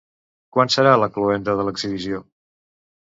Quan serà la cloenda de l'exhibició?